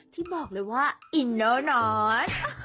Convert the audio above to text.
ที่บอกเลยว่าอินโนนอน